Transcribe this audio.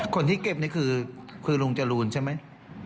คนที่เก็บเนี้ยคือคือหรูงจรูนใช่ไหม